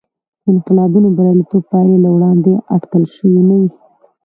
د انقلابینو بریالیتوب پایلې له وړاندې اټکل شوې نه وې.